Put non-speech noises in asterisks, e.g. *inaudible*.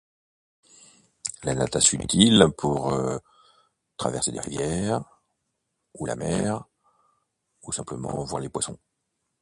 La natation est utile pour *hesitation* traverser des rivières, ou la mer, ou simplement voir les poissons.